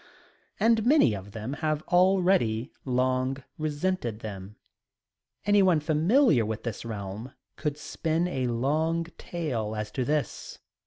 And many of them have already long resented them. Anyone familiar with this realm could spin a long tale as to this.